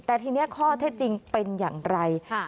แต่ทีนี้ข้อเท็จจริงเป็นอย่างไร